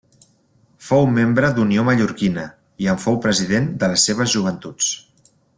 Fou membre d'Unió Mallorquina i en fou president de les seves joventuts.